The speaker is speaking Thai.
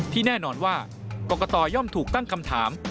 แน่นอนว่ากรกตย่อมถูกตั้งคำถาม